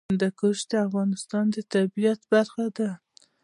هندوکش د افغانستان د طبیعت برخه ده.